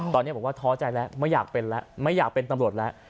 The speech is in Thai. ตอนนี้บอกว่าท้อใจแล้วไม่อยากเป็นแล้วไม่อยากเป็นตำรวจแล้ว